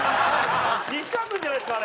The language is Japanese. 西川君じゃないですか？